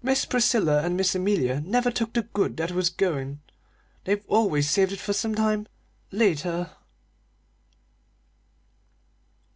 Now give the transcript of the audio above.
Miss Priscilla and Miss Amelia never took the good that was goin'; they've always saved it for sometime later."